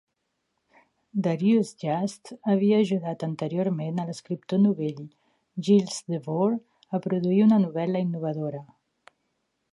Darius Just havia ajudat anteriorment a l'escriptor novell Giles Devore a produir una novel·la innovadora.